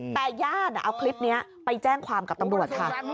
แต่ญาติเอาคลิปนี้ไปแจ้งความกับตำรวจค่ะ